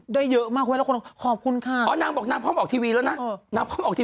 ได้เยอะมากว่าแล้วคนขอบคุณค่าพอบอกน่าพบทีวีแล้วนะนับคุณออกที่